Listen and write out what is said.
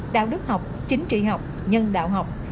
đạo đức học chính trị học nhân đạo học